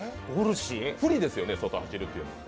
不利ですよね、外走るというのは。